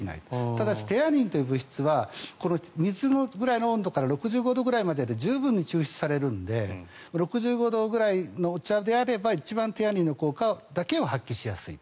ただしテアニンという物質は水ぐらいの温度から６５度くらいまでで十分抽出されるので６５度くらいのお茶であれば一番テアニンの効果だけを発揮しやすい。